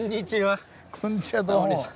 こんにちはタモリさん。